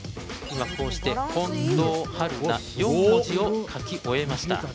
今、こうして近藤春菜４文字を書き終えました。